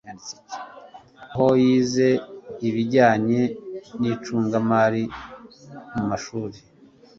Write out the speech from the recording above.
aho yize ibijyanye n'icungamari, mu mashuri